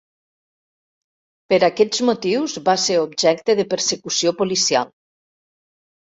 Per aquests motius va ser objecte de persecució policial.